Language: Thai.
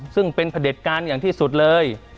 ซึ่งเป็นพระเด็จการอย่างที่สุดเลย